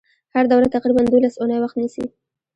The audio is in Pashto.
هره دوره تقریبا دولس اونۍ وخت نیسي.